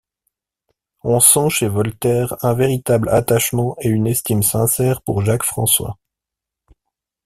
On sent chez Voltaire un véritable attachement et une estime sincère pour Jacques-François.